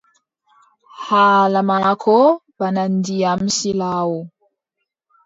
Haala maako bana ndiyam silaawo.